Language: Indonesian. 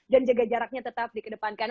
dan jaga jaraknya tetap dikedepankan